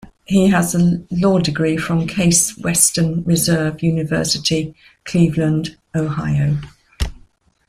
He has a law degree from Case Western Reserve University, Cleveland, Ohio.